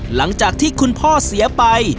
หลังจากที่คุณพ่อเสียไป